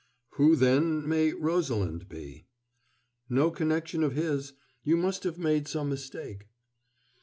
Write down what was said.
"Who, then, may 'Rosalind' be?" "No connection of his. You must have made some mistake."